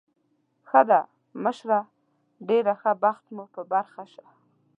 ښه ده، مشره، ډېر ښه بخت مو په برخه شه.